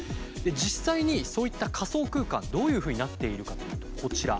実際にそういった仮想空間どういうふうになっているかというとこちら。